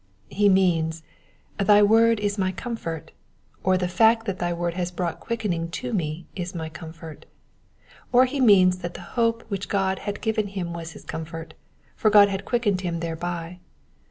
'*'* He means, — Thy word is my comfort, or the fact that thy word has brought quickening to me is my comfort. Or he means that the hope which God had given him was his comfort, for God had quickened him thereby.